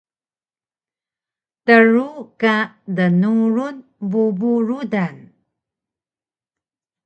Tru ka dnurun bubu rudan